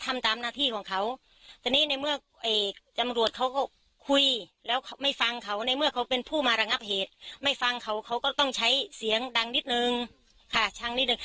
ไม่ฟังเขาเขาก็ต้องใช้เสียงดังนิดนึง